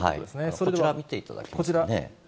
こちら見ていただけますかね。